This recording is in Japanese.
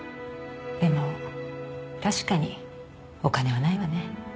でも確かにお金は無いわね。